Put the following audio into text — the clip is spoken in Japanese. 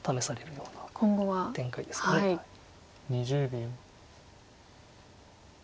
２０秒。